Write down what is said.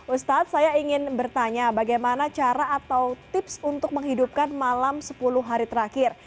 ustadz saya ingin bertanya bagaimana cara atau tips untuk menghidupkan malam sepuluh hari terakhir